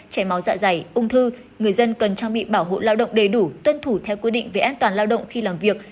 chảy máu dạ dày ung thư người dân cần trang bị bảo hộ lao động đầy đủ tuân thủ theo quy định về an toàn lao động khi làm việc